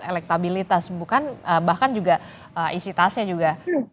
elektabilitas bukan bahkan juga isi tasnya juga